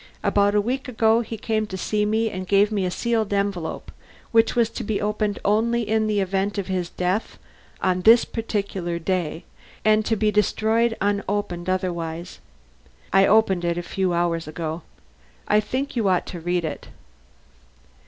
"About a week ago he came to see me and gave me a sealed envelope which was to be opened only in the event of his death on this particular day, and to be destroyed unopened otherwise. I opened it a few hours ago. I think you ought to read it."